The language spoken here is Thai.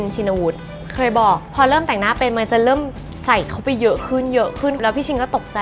คือเราเป็นคนไม่ค่อยแควะอะไรอ่ะค่ะ